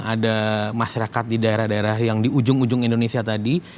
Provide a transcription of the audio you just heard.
ada masyarakat di daerah daerah yang di ujung ujung indonesia tadi